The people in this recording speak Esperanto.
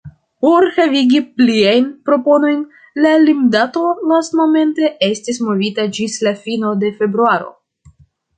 Por havigi pliajn proponojn la limdato lastmomente estis movita ĝis la fino de februaro.